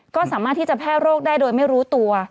ก็สามารถที่จะแพร่โรคได้โดยไม่รู้ตัว